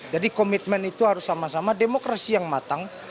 jadi komitmen itu harus sama sama demokrasi yang matang